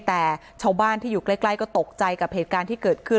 แต่ชาวบ้านที่อยู่ใกล้ก็ตกใจกับเหตุการณ์ที่เกิดขึ้น